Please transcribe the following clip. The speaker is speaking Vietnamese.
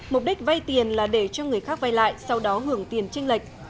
mục đích vay tiền là để cho người khác vay lại sau đó hưởng tiền tranh lệch